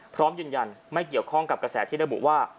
พร้อมยืนยันไม่เกี่ยวข้องกับกระแสที่ระบุว่า